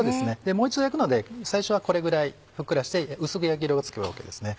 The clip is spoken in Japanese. もう一度焼くので最初はこれぐらいふっくらして薄く焼き色がつけばＯＫですね。